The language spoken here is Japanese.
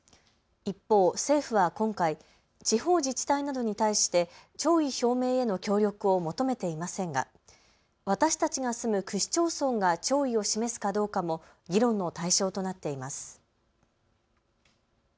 一方、政府は今回、地方自治体などに対して弔意表明への協力を求めていませんが私たちが住む区市町村が弔意を示すかどうかも議論の対象となっています。